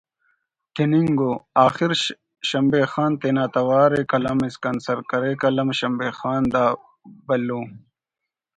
تننگ ءُ…… آخرشمبے خان تینا توارءِ قلم اسکان سر کرے قلم ……شمبے خان دا بھلو